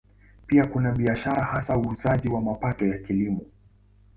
Pia kuna biashara, hasa uuzaji wa mapato ya Kilimo.